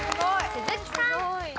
鈴木さん。